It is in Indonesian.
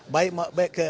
kinerja partai baik